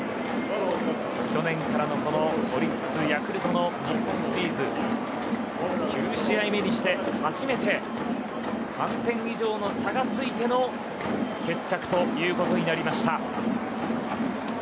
去年からのオリックス、ヤクルトの日本シリーズ。９試合目にして初めて３点以上の差がついての決着ということになりました。